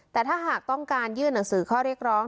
แต่ถ้าหากต้องการยื่นหนังสือข้อเรียกร้อง